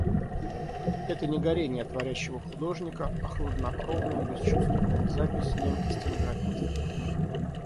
Это не горение творящего художника, а хладнокровная, бесчувственная запись немки-стенографистки.